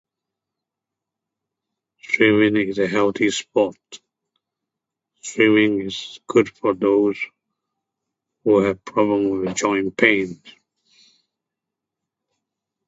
Chewing is a healthy sport. Chewing is good for those who have problems with joint pains.